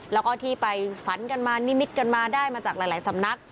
แล้วก็ที่ไปฝันกันมานิมิตกันมาได้มาจากหลายสำนัก